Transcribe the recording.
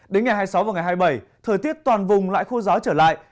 đến ngày hai mươi sáu và ngày hai mươi bảy thời tiết toàn vùng lại khô giáo trở lại